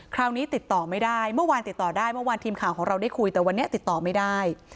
คราวนี้ติดต่อไม่ได้เมื่อวานติดต่อได้เมื่อวานทีมข่าวของเราได้คุยแต่วันนี้ติดต่อไม่ได้